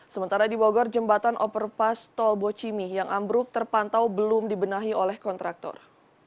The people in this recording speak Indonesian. sementara di bogor jembatan operpas tolbo cimi yang amruk terpantau belum dibenahi oleh kontraktor